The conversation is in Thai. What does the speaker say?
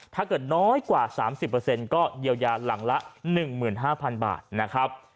ถ้าเกิดน้อยกว่าสามสิบเปอร์เซ็นต์ก็เยียวยาหลังละหนึ่งหมื่นห้าพันบาทนะครับ